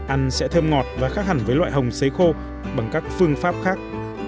ăn sẽ thơm ngọt và khác hẳn với loại hồng xấy khô bằng các phương pháp khác